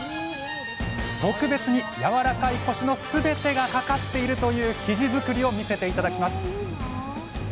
特別にやわらかいコシの全てがかかっているという生地作りを見せて頂きます。